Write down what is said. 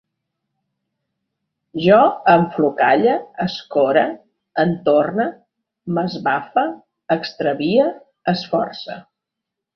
Jo enflocalle, escore, entorne, m'esbafe, extravie, esforce